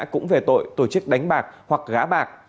cũng về tội tổ chức đánh bạc hoặc gã bạc